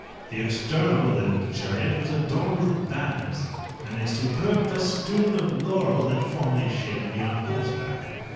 The external of the chariot was adorned with banners, and a superb festoon of laurel that formerly shaded me on horseback.